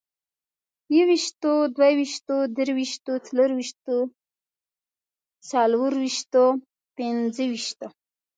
يوويشتو، دوه ويشتو، درويشتو، څلرويشتو، څلورويشتو، پنځه ويشتو